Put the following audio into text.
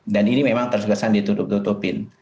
ini memang terkesan ditutup tutupin